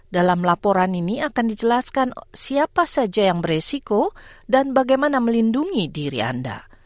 dalam laporan ini akan dijelaskan siapa saja yang beresiko dan bagaimana melindungi diri anda